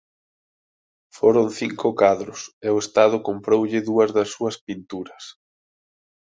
Foron cinco cadros e o estado comproulle dúas das súas pinturas.